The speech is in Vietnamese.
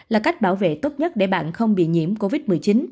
là cách bảo vệ tốt nhất để bạn không bị nhiễm covid một mươi chín